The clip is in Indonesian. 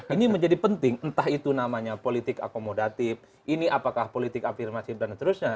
ini menjadi penting entah itu namanya politik akomodatif ini apakah politik afirmasif dan seterusnya